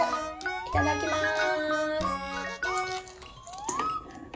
いただきます。